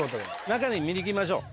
中に見に行きましょう。